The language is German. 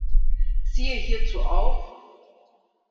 Siehe hierzu auch